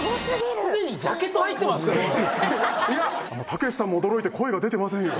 たけしさんも驚いて声が出てませんよ。